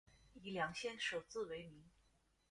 以两县首字为名。